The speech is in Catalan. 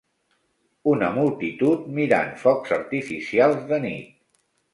Una multitud mirant focs artificials de nit